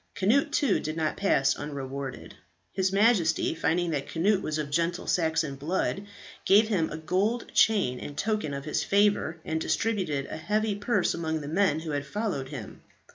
Cnut too did not pass unrewarded. His Majesty, finding that Cnut was of gentle Saxon blood, gave him a gold chain in token of his favour, and distributed a heavy purse among the men who had followed him.